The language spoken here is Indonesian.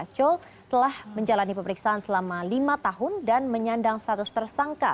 co telah menjalani pemeriksaan selama lima tahun dan menyandang status tersangka